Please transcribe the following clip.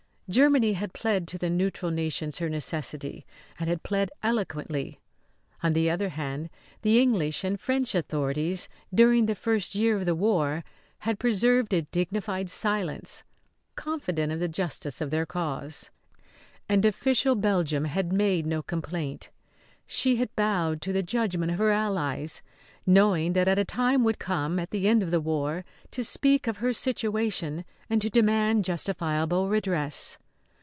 Germany had plead to the neutral nations her necessity, and had plead eloquently. On the other hand, the English and French authorities during the first year of the war had preserved a dignified silence, confident of the justice of their cause. And official Belgium had made no complaint. She had bowed to the judgment of her allies, knowing that a time would come, at the end of the war, to speak of her situation and to demand justifiable redress.